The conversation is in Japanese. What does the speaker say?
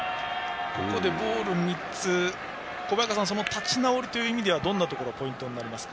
小早川さん立ち直りという意味ではどんなところがポイントになりますか？